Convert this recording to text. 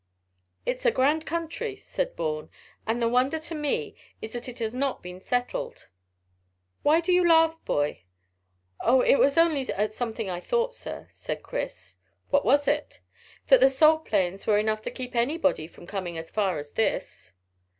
"It's a grand country," said Bourne, "and the wonder to me is that it has not been settled. Why do you laugh, boy?" "Oh, it was only at something I thought, sir," said Chris. "What was it?" "That the salt plains were enough to keep anybody from coming as far as this."